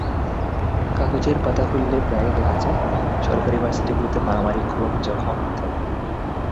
কাগজের পাতা খুললে প্রায়ই দেখা যায় সরকারি ভার্সিটিগুলোতে মারামারি, খুন জখম ইত্যাদি।